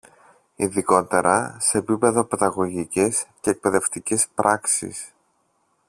Ειδικότερα, σε επίπεδο παιδαγωγικής και εκπαιδευτικής πράξης